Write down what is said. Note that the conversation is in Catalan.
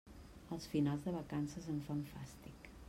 Els finals de vacances em fan fàstic.